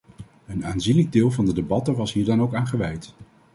Een aanzienlijk deel van de debatten was hier dan ook aan gewijd.